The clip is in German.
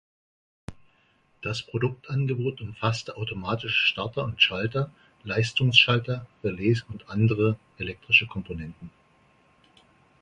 Das Produktangebot umfasste automatische Starter und Schalter, Leistungsschalter, Relais und andere elektrische Komponenten.